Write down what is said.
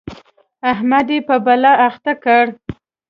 احمد يې په بلا اخته کړ.